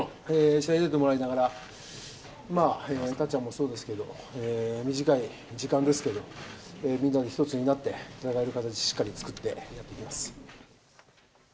試合に出てもらいながら、たっちゃんもそうですけど、短い時間ですけど、みんなで一つになって、戦える形をしっかり作ってやっていきます。